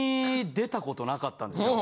出たことなかったんですけど。